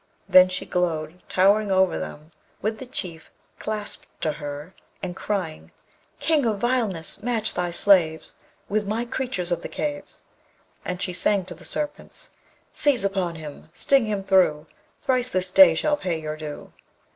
Then she glowed, towering over them with the Chief clasped to her, and crying: King of vileness! match thy slaves With my creatures of the caves. And she sang to the Serpents: Seize upon him! sting him thro'! Thrice this day shall pay your due.